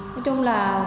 nói chung là